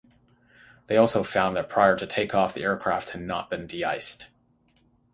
They also found that prior to takeoff the aircraft had not been de-iced.